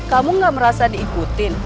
kamu gak merasa diikutin